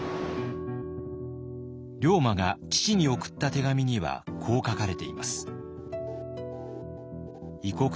龍馬が父に送った手紙にはこう書かれています。